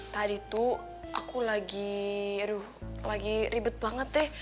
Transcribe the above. tadi tuh aku lagi aduh lagi ribet banget deh